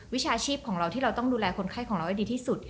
วิชาชีพของเราที่เราต้องดูแลคนไข้ของเราให้ดีที่สุด